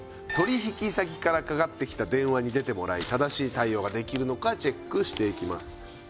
取引先からかかってきた電話に出てもらい正しい対応ができるのかチェックしていきます。